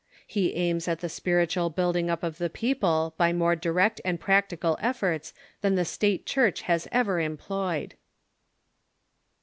He aims at the spiritual building up of the people by more direct and practical efforts than the State Church has ever employed.